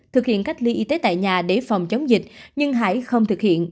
thực hiện cách ly y tế tại nhà để phòng chống dịch nhưng hải không thực hiện